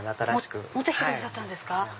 持ってきてくださったんですか。